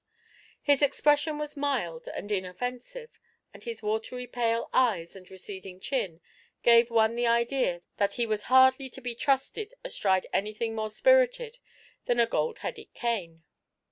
His expression was mild and inoffensive, and his watery pale eyes and receding chin gave one the idea that he was hardly to be trusted astride anything more spirited than a gold headed cane.